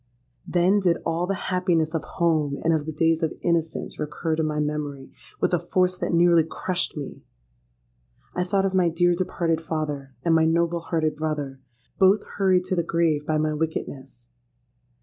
Then did all the happiness of home and of the days of innocence recur to my memory with a force that nearly crushed me! I thought of my dear departed father and my noble hearted brother—both hurried to the grave by my wickedness!